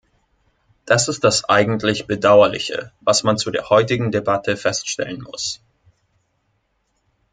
Das ist das eigentlich Bedauerliche, was man zu der heutigen Debatte feststellen muss.